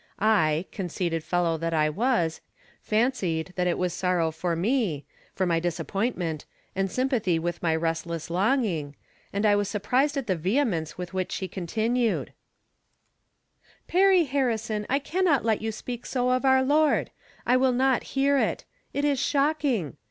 I, conceited fellow that I was, fancied that it was sorrow for me — for my disappointment — and sympathy with my restless ■ longing, and I was surprised at the vehemence with which she continued :" Perry Harrison, I can not let you speak so of our Lord. I will not hear it. It is shocking